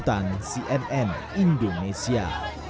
ketan cnn indonesia